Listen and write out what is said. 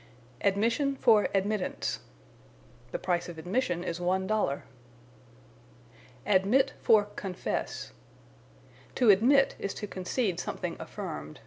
Admission for Admittance. "The price of admission is one dollar." Admit for Confess. To admit is to concede something affirmed.